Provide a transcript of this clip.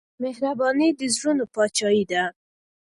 مهرباني د زړونو پاچاهي ده.